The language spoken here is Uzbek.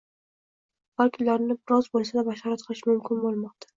balki ularni biroz bo‘lsa-da bashorat qilish mushkul bo‘lmoqda.